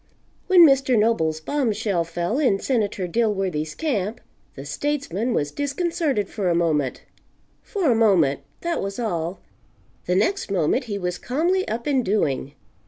When Mr. Noble's bombshell fell in Senator Dilworthy's camp, the statesman was disconcerted for a moment. For a moment; that was all. The next moment he was calmly up and doing.